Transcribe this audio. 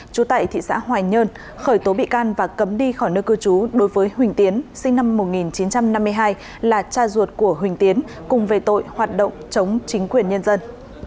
chú tại thị xã hoài nhơn khởi tố bị can và cấm đi khỏi nơi cư trú đối với huỳnh tiến sinh năm một nghìn chín trăm năm mươi hai là cha ruột của huỳnh tiến cùng về tội hoạt động chống chính quyền nhân dân